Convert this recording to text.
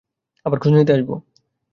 আবার খোঁজ নিতে আসবো।